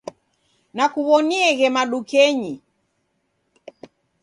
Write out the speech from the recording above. Nakuw'onieghe madukenyi.